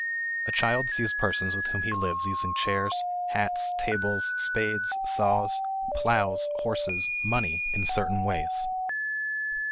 A child sees persons with whom he lives using chairs, hats, tables, spades, saws, plows, horses, money in certain ways.